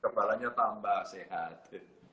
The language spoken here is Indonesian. kebalannya tambah sehat